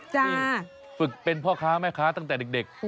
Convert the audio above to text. ฝึกเป็นพ่อค้าแม่ค้าตั้งแต่เด็ก